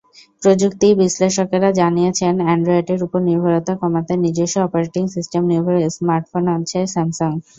প্রযুক্তিবিশ্লেষকেরা জানিয়েছেন, অ্যান্ড্রয়েডের ওপর নির্ভরতা কমাতে নিজস্ব অপারেটিং সিস্টেমনির্ভর স্মার্টফোন আনছে স্যামসাং।